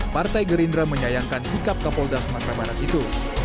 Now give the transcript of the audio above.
partai gerindra menyayangkan sikap kapolda sumatera barat itu